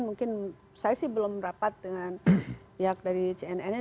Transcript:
mungkin saya sih belum rapat dengan pihak dari cnnnya